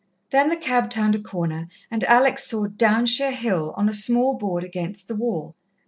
Then the cab turned a corner, and Alex saw "Downshire Hill" on a small board against the wall.